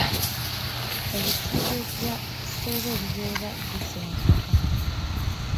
Ebisige ebya ssere bibeera bya sensuka.